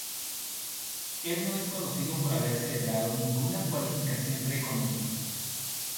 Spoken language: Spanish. Él no es conocido por haber celebrado ninguna cualificación reconocida.